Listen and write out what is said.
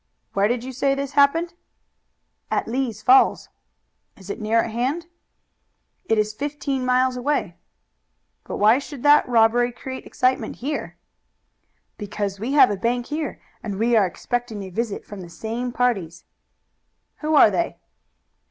"Where did you say this happened?" "At Lee's Falls." "Is it near at hand?" "It is fifteen miles away." "But why should that robbery create excitement here?" "Because we have a bank here, and we are expecting a visit from the same parties." "Who are they?"